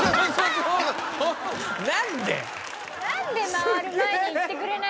何で？